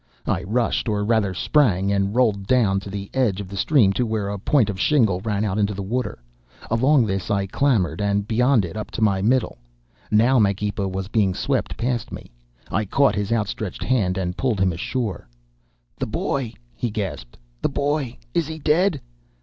"I rushed, or rather sprang and rolled down to the edge of the stream to where a point of shingle ran out into the water. Along this I clambered, and beyond it up to my middle. Now Magepa was being swept past me. I caught his outstretched hand and pulled him ashore. "'The boy!' he gasped; 'the boy! Is he dead?